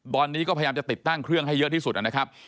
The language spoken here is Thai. ตอนนี้ก็พยายามจะติดตั้งเครื่องให้เยอะที่สุดนะครับ